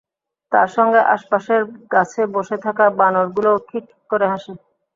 তার সঙ্গে আশপাশের গাছে বসে থাকা বানরগুলোও খিক্ খিক্ করে হাসে।